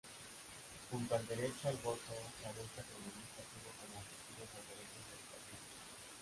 Junto al derecho al voto, la lucha feminista tuvo como objetivo los derechos educativos.